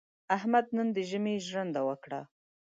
احمد نن د ژمي ژرنده وکړه.